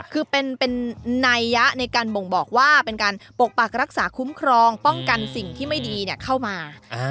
คือเป็นนัยยะในการบ่งบอกว่าเป็นการปกปักรักษาคุ้มครองป้องกันสิ่งที่ไม่ดีเข้ามา